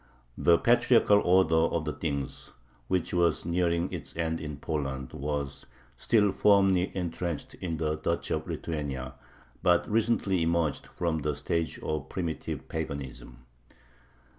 The patriarchal order of things, which was nearing its end in Poland, was still firmly intrenched in the Duchy of Lithuania, but recently emerged from the stage of primitive paganism.